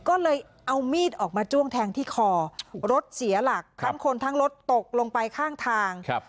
ก็เลยเอามีดออกมาจ้วงแทงที่คอรถเสียหลักทั้งคนทั้งรถตกลงไปข้างทางครับ